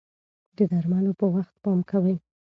د درملو په وخت پام کوئ.